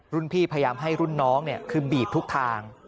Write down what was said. พี่พยายามให้รุ่นน้องคือบีบทุกทาง